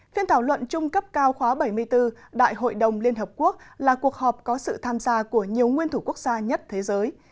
phiên thảo luận trung cấp cao khóa bảy mươi bốn đại hội đồng liên hợp quốc là cuộc họp có sự tham gia của nhiều nguyên thủ quốc gia nhất thế giới